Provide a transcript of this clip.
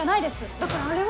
だからあれは。